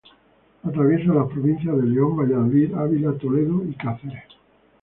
Atraviesa las provincias de León, Valladolid, Ávila, Toledo y Cáceres.